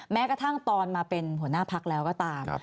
แม้กระทั่งตอนมาเป็นหัวหน้าพักแล้วก็ตาม